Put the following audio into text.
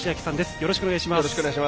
よろしくお願いします。